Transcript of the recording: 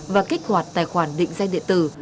và kích hoạt tài khoản định danh địa tử